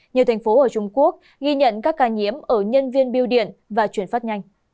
nhiều thành phố ở trung quốc ghi nhận các ca nhiễm ở nhân viên biêu điện và chuyển phát nhanh